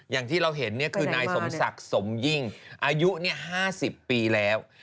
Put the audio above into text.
อย่างที่เราเห็นคือนายสมศักดิ์สมยิ่งอายุ๕๐ปีแล้ว